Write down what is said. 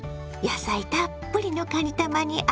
野菜たっぷりのかにたまに